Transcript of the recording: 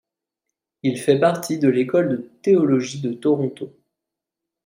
Il fait partie de l'École de théologie de Toronto.